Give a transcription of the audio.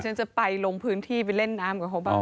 ฉันจะไปลงพื้นที่ไปเล่นน้ำกับเขาบ้าง